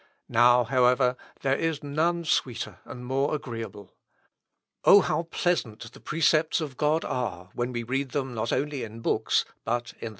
Now, however, there is none sweeter and more agreeable. Oh! how pleasant the precepts of God are, when we read them not only in books, but in the precious wounds of the Saviour."